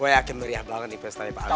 gua yakin meriah banget nih pas tanya pak amir